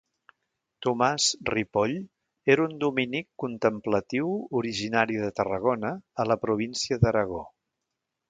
Tomàs Ripoll era un dominic contemplatiu originari de Tarragona a la província d'Aragó.